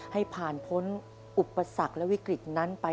ให้ผ่านพ้นอุปสรรคและวิกฤตนั้นไป